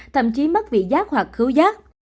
thậm chí mất vị giác hoặc khứu giác